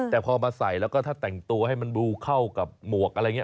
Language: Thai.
แต่พอมาใส่แล้วก็ถ้าแต่งตัวให้มันดูเข้ากับหมวกอะไรอย่างนี้